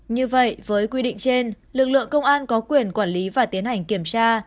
như vậy với quy định trên lực lượng công an có quyền quản lý và tiến hành kiểm tra